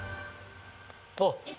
あっ！